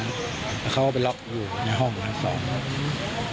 ในห้องในชั้นสองเออ